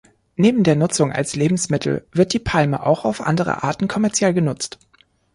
Neben der Nutzung als Lebensmittel wird die Palme auch auf andere Arten kommerziell genutzt.